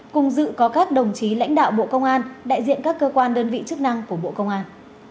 cùng dự có các đồng chí lãnh đạo bộ công an đại diện các cơ quan đơn vị chức năng của bộ công an